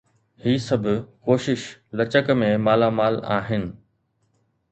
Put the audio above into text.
هي سڀ ڪوشش لچڪ ۾ مالا مال آهي.